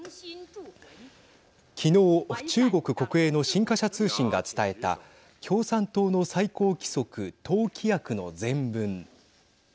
昨日中国国営の新華社通信が伝えた共産党の最高規則党規約の全文。